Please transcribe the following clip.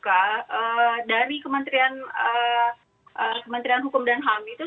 karena dari kementerian hukum dan kehidupan